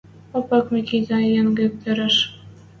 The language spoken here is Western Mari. Опак Микитӓ Йынгы тӹреш